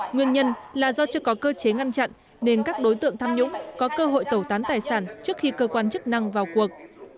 nguyên nhân là do chưa có cơ chế ngăn chặn nên các đối tượng tham nhũng có cơ hội tẩu tán tài sản trước khi cơ quan chức năng vào cuộc